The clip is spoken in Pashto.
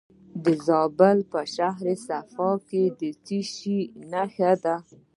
د زابل په شهر صفا کې د څه شي نښې دي؟